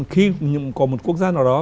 khi có một quốc gia nào đó